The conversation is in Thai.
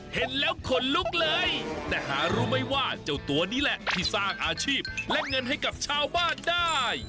เห็นแล้วขนลุกเลยแต่หารู้ไหมว่าเจ้าตัวนี้แหละที่สร้างอาชีพและเงินให้กับชาวบ้านได้